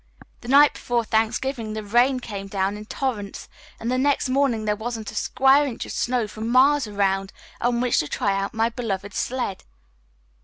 The night before Thanksgiving the rain came down in torrents and the next morning there wasn't a square inch of snow for miles around on which to try out my beloved sled.